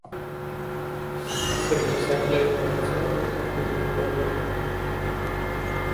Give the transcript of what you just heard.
– sirni saqlay olsa u aqlli, qobildir;